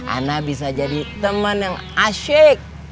ana bisa jadi teman yang asyik